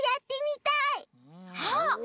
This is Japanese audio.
あっ！